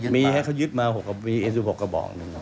มีให้เขายึดมามีเอดูปกกระบอก